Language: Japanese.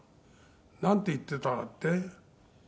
「なんて言っていたかって？」